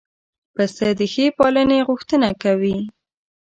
پسه د ښې پالنې غوښتنه کوي.